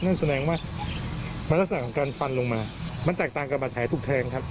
นั่นแสดงว่ามันลักษณะของการฟันลงมามันแตกต่างกับบาดแผลถูกแทงครับ